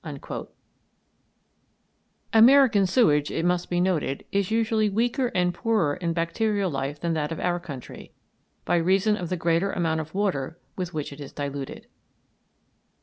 American sewage, it must be noted, is usually weaker and poorer in bacterial life than that of our country, by reason of the greater amount of water with which it is diluted.